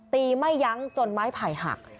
ไม่ยั้งจนไม้ไผ่หัก